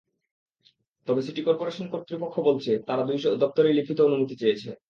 তবে city corporation কর্তৃপক্ষ বলছে, তারা দুই দপ্তরেই লিখিত অনুমতি চেয়েছে।